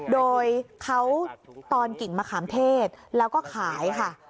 โดยเขาตอนกิ่งมะขามเทศแล้วก็ขายค่ะ